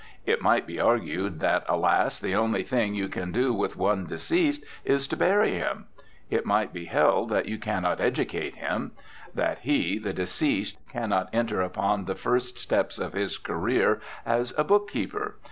It might be argued that, alas! the only thing you can do with one deceased is to bury him. It might be held that you cannot educate him. That he, the deceased, cannot enter upon the first steps of his career as a bookkeeper.